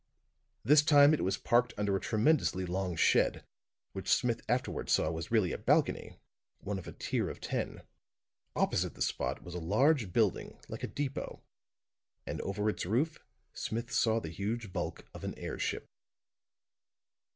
This time it was parked under a tremendously long shed, which Smith afterward saw was really a balcony, one of a tier of ten. Opposite the spot was a large building, like a depot; and over its roof Smith saw the huge bulk of an airship.